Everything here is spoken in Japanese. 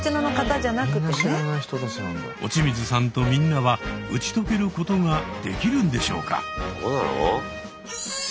落水さんとみんなは打ち解けることができるんでしょうか。